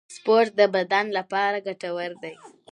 سپورت د بدن لپاره ګټور دی